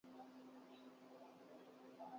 وہ کھڑے ہونے کی جگہ پر مزید بھیڑ نہیں کرتا ہے